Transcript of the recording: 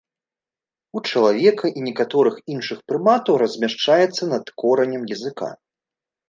У чалавека і некаторых іншых прыматаў размяшчаецца над коранем языка.